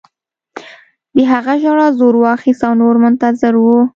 د هغه ژړا زور واخیست او نور منتظر وو